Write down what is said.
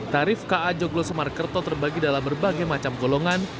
tarif ka joglo semarkerto terbagi dalam berbagai macam golongan